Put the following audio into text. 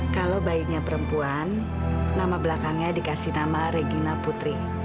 kalau bayinya perempuan nama belakangnya dikasih nama regina putri